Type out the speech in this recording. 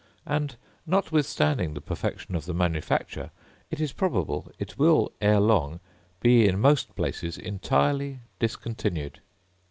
And notwithstanding the perfection of the manufacture, it is probable it will ere long be in most places entirely discontinued.